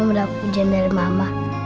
senangnya mudah kujan dari mama